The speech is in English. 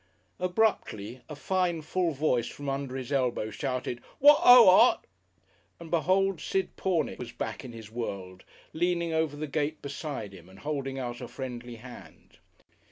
Abruptly a fine, full voice from under his elbow shouted, "What O Art!" and, behold, Sid Pornick was back in his world, leaning over the gate beside him, and holding out a friendly hand.